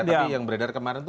tapi yang beredar kemarin tuh